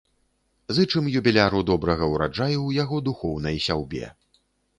Зычым юбіляру добрага ўраджаю ў яго духоўнай сяўбе!